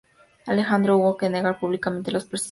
Alejandro hubo de negar públicamente los persistentes rumores.